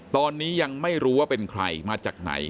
ตอนนี้ยังไม่รู้ว่าเป็นใครมาจากไหน